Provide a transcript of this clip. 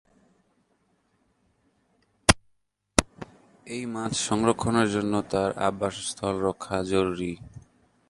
এ মাছ সংরক্ষণের জন্য তার আবাসস্থল রক্ষা জরুরি।